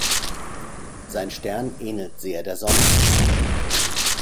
Sein Stern ähnelt sehr der Sonne.